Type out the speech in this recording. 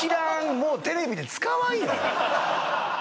もうテレビで使わんよ